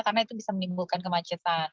karena itu bisa menimbulkan kemacetan